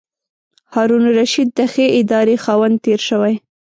هارون الرشید د ښې ادارې خاوند تېر شوی.